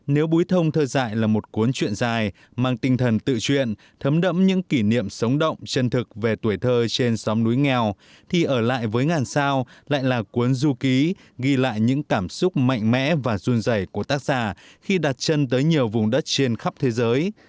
nếu búi thông thơ dạy là một cuốn chuyện dài mang tinh thần tự chuyện thấm đẫm những kỷ niệm sống động chân thực về tuổi thơ trên xóm núi nghèo thì ở lại với ngàn sao lại là cuốn du ký ghi lại những cảm xúc mạnh mẽ và run dày của tác giả khi đặt chân tới nhiều vùng đất trên khắp thế giới